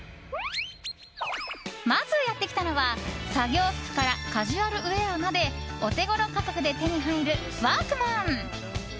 まずやってきたのは作業服からカジュアルウェアまでオテゴロ価格で手に入るワークマン。